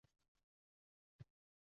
U menga ko`p narsalarni aytib berdi